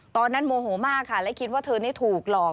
ตอนนั้นโมโหมากและคิดว่าเธอนี่ถูกหลอก